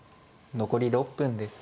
残り６分です。